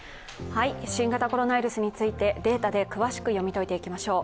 新型コロナウイルスについて、データで詳しく読み解いていきましょう。